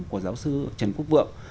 của giáo sư trần quốc vượng